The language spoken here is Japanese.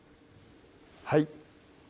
はい